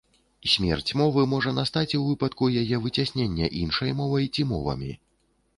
Смерць мовы можа настаць у выпадку яе выцяснення іншай мовай ці мовамі.